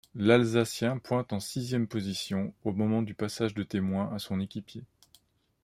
L'Alsacien pointe en sixième position au moment du passage de témoin à son équipier.